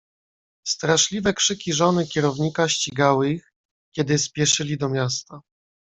"Straszliwe krzyki żony kierownika ścigały ich, kiedy spieszyli do miasta."